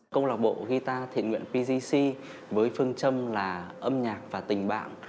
câu lạc bộ guitar thiện nguyện pzc với phương châm là âm nhạc và tình bạn